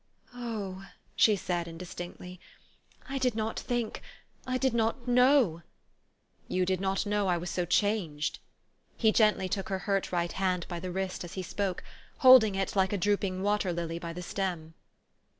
" Oh !" she said indistinctly. " I did not think I did not know '' 182 TteE STORY OF AVIS. "You did not know I was so changed?" He gently took her hurt right hand by the wrist as he spoke, holding it like a drooping water lily by the stem.